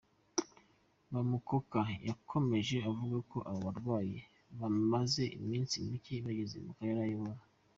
Bamukoka yakomeje avuga ko abo barwanyi bamaze iminsi mike bageze mu karere ayobora.